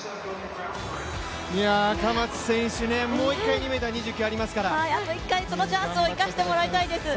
赤松選手、もう１回、２ｍ２９ありますからあと１回、そのチャンスを生かしてもらいたいです。